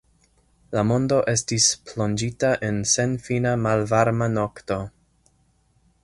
La mondo estis plonĝita en senfina malvarma nokto.